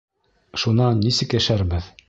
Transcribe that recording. Шунан нисек йәшәрбеҙ?